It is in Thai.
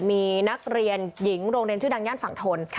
มีนักเรียนหญิงโรงเรียนชื่อดังย่านฝั่งทน